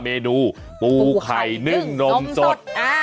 เมนูปูไข่นึ่งนมสด